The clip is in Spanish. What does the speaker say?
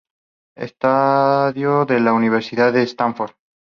Estudió en la Universidad de Stanford.